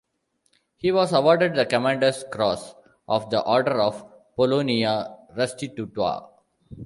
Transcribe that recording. He was awarded the Commander's Cross of the Order of Polonia Restituta.